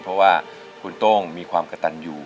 เพราะว่าคุณโต้งมีความกระตันอยู่